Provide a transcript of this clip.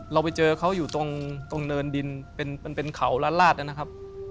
เราไปเจอเขาอยู่ตรงเนินดินมันเป็นเขาลาดนะครับ